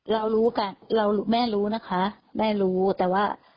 เรารู้กันเราแม่รู้นะคะแม่รู้แต่ว่า